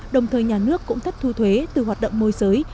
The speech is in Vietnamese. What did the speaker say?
đồng thời nhà nước cũng thất thu thuế từ hoạt động môi giới